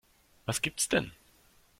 Was gibt's denn?